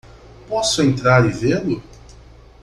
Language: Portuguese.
Posso entrar e vê-lo?